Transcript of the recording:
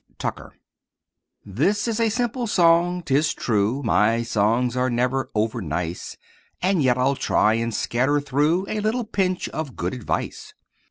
TUCKER This is a simple song, 'tis true My songs are never over nice, And yet I'll try and scatter through A little pinch of good advice.